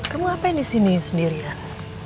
kamu ngapain disini sendirian